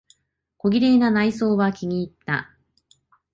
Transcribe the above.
小綺麗な内装は気にいった。